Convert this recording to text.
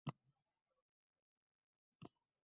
Gumdon qilishibdi», desalar agar